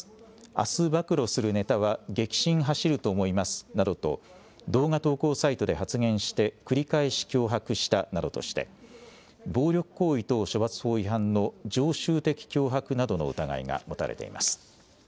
あす暴露するネタは激震走ると思いますなどと、動画投稿サイトで発言して、繰り返し脅迫したなどとして、暴力行為等処罰法違反の常習的脅迫などの疑いが持たれています。